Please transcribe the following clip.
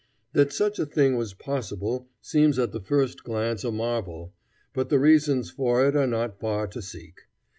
That such a thing was possible seems at the first glance a marvel, but the reasons for it are not far to seek.